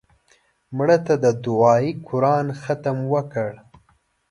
مړه ته د دعایي قرآن ختم وکړه